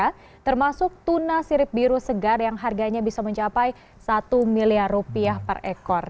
termasuk tuna sirip biru segar yang harganya bisa mencapai satu miliar rupiah per ekor